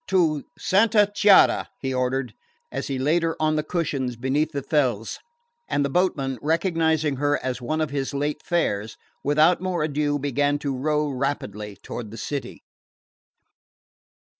"To Santa Chiara!" he ordered, as he laid her on the cushions beneath the felze; and the boatmen, recognising her as one of their late fares, without more ado began to row rapidly toward the city.